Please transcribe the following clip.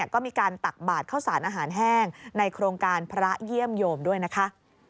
ก็มีการตักบาดเข้าสารอาหารแห้งในโครงการพระเยี่ยมโยมด้วยนะคะ